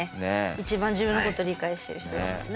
一番自分のこと理解してる人だもんね。